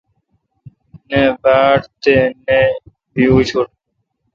نہ باڑ تے نہ بی اوشٹ۔